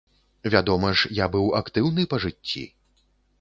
Вядома ж, я быў актыўны па жыцці.